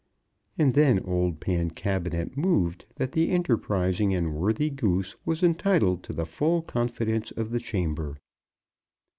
And then old Pancabinet moved that the enterprising and worthy Goose was entitled to the full confidence of the chamber.